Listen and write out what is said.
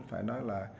phải nói là